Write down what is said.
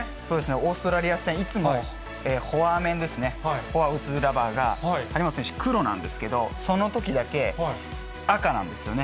オーストラリア戦、いつもフォア面ですね、フォアを打つラバーが張本選手、黒なんですけど、そのときだけ赤なんですよね。